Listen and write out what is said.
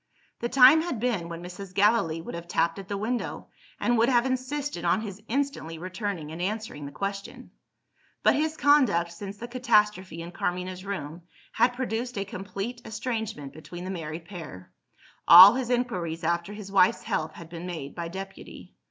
The time had been, when Mrs. Gallilee would have tapped at the window, and would have insisted on his instantly returning and answering the question. But his conduct, since the catastrophe in Carmina's room, had produced a complete estrangement between the married pair. All his inquiries after his wife's health had been made by deputy.